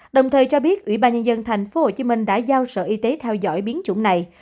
đồng thời cho biết ủy ban nhân dân tp hcm đã giao sở y tế theo dõi biến chủng này